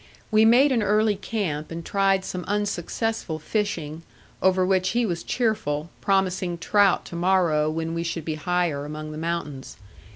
We made an early camp and tried some unsuccessful fishing, over which he was cheerful, promising trout to morrow when we should be higher among the mountains.